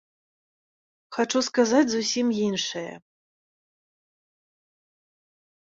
Хачу сказаць зусім іншае.